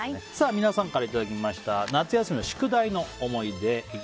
皆さんからいただきました夏休みの宿題の思い出。